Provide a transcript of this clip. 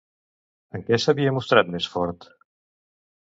En què s'havia mostrat més fort?